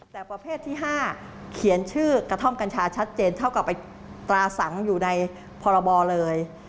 แต่ประเภทที่๕เขียนชื่อกระท่อมกัญชาชัดเจนเท่ากับตราสังอยู่ในพรบเลย